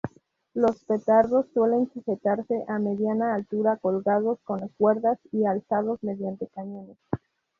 Los petardos suelen sujetarse a mediana altura colgados con cuerdas o alzados mediante cañones.